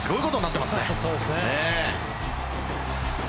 そうですね。